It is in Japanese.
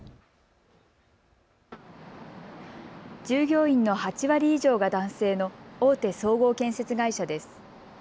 従業員の８割以上が男性の大手総合建設会社です。